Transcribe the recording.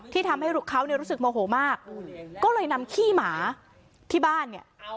ทำให้เขาเนี่ยรู้สึกโมโหมากก็เลยนำขี้หมาที่บ้านเนี่ย